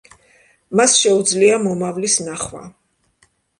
მას შეუძლია მომავლის ნახვა.